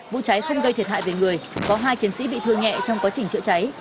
vụ cháy không gây thiệt hại về người có hai chiến sĩ bị thương nhẹ trong quá trình chữa cháy